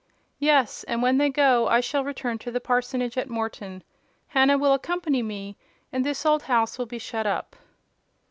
"Yes; and when they go, I shall return to the parsonage at Morton: Hannah will accompany me; and this old house will be shut up."